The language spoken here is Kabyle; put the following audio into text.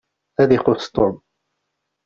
Ad ixuṣ Tom.